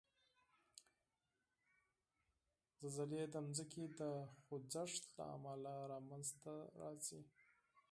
زلزلې د ځمکې د خوځښت له امله منځته راځي.